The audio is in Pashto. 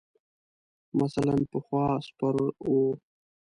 مثلاً پخوا سپر ؤ.